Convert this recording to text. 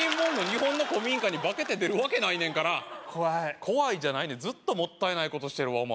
日本の古民家に化けて出るわけないねんから怖いずっともったいないことしてるわ